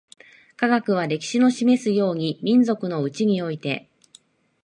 科学は、歴史の示すように、民族のうちにおいて